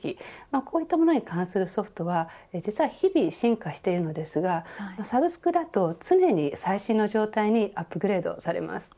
こういったものに関するソフトは日々進化しているのですがサブスクだと常に最新の状態にアップグレードされます。